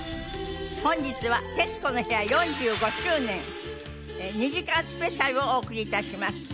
本日は『徹子の部屋』４５周年２時間スペシャルをお送り致します。